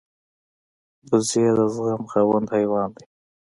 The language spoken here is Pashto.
وزې د زغم خاوند حیوان دی